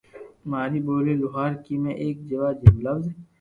ماري ٻولي لوھارڪي ۾ ايڪ جيوا لفظ